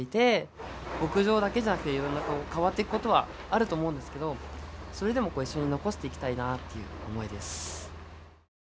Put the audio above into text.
牧場だけじゃなくていろんな変わっていくことはあると思うんですけどそれでも一緒に残していきたいなっていう思いです。